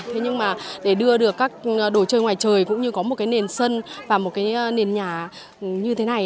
thế nhưng mà để đưa được các đồ chơi ngoài trời cũng như có một cái nền sân và một cái nền nhà như thế này